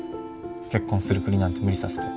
結婚するふりなんて無理させて。